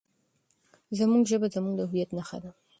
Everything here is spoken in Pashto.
زموږ ژبه زموږ د هویت نښه ده.